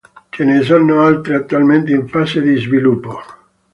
Ce ne sono altre attualmente in fase di sviluppo.